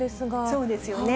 そうですよね。